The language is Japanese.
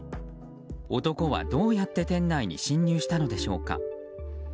男は、どうやって店内に侵入したのでしょうか。